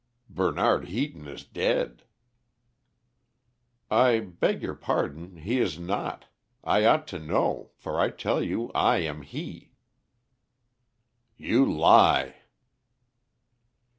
"Bernard Heaton is dead." "I beg your pardon, he is not. I ought to know, for I tell you I am he." "You lie!"